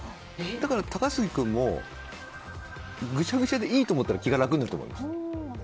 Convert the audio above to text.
だから高杉君もぐしゃぐしゃでいいと思ったら気が楽になると思います。